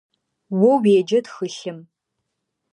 О уеджэ тхылъым.